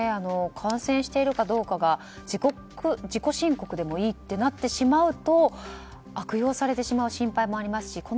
感染しているかどうかが自己申告でもいいとなってしまうと悪用されてしまう心配もありますし